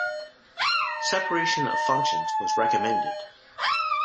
Separation of functions was recommended.